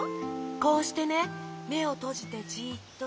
こうしてねめをとじてじっとして。